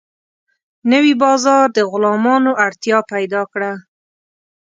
نوی بازار د غلامانو اړتیا پیدا کړه.